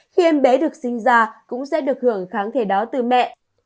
khi em bé được sinh ra cũng sẽ được hưởng kháng thể đó từ mẹ